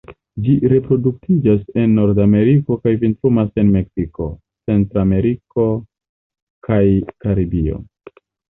Ĝi reproduktiĝas en Nordameriko kaj vintrumas en Meksiko, Centrameriko kaj Karibio.